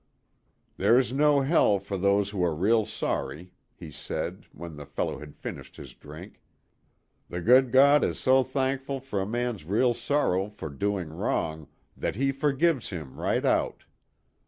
"There's no hell for those who are real sorry," he said, when the fellow had finished his drink. "The good God is so thankful for a man's real sorrow for doing wrong that He forgives him right out.